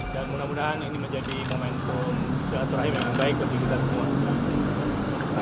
dan mudah mudahan ini menjadi momentum silaturahmi yang baik bagi kita semua